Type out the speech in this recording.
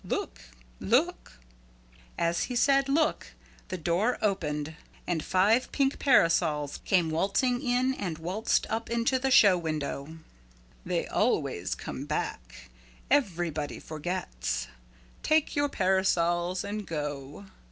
Look look!" As he said "Look," the door opened and five pink parasols came waltzing in and waltzed up into the show window. "They always come back. Everybody forgets. Take your parasols and go.